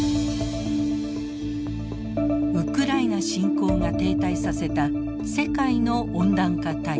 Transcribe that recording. ウクライナ侵攻が停滞させた世界の温暖化対策。